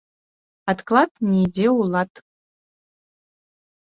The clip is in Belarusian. Адклад не ідзе ў лад